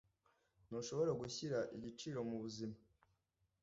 Ntushobora gushyira igiciro mubuzima.